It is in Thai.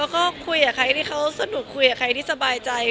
ก็คุยกับใครที่เขาสนุกคุยกับใครที่สบายใจ